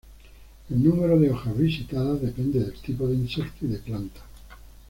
El número de hojas visitadas depende del tipo de insecto y de planta.